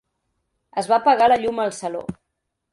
Es va apagar la llum al saló.